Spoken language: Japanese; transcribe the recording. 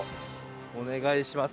お願いします。